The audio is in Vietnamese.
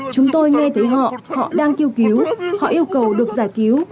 chúng tôi nghe thấy họ họ đang kêu cứu họ yêu cầu được giải cứu